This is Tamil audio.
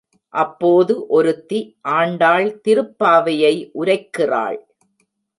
அப்போது, ஒருத்தி ஆண்டாள் திருப்பாவையை உரைக்கிறாள்.